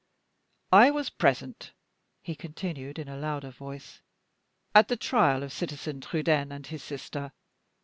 I was present," he continued, in a louder voice, "at the trial of Citizen Trudaine and his sister.